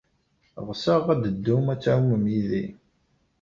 Ɣseɣ ad d-teddum ad tɛumem yid-i.